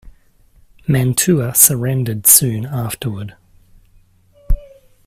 Mantua surrendered soon afterward.